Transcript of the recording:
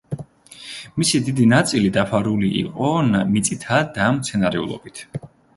მისი დიდი ნაწილი დაფარული იყო მიწითა და მცენარეულობით.